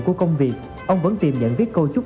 của công việc ông vẫn tìm nhận viết câu chúc